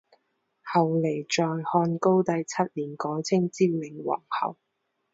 后来在汉高帝七年改称昭灵皇后。